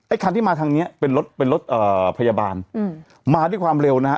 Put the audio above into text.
คันที่มาทางเนี้ยเป็นรถเป็นรถเอ่อพยาบาลอืมมาด้วยความเร็วนะฮะ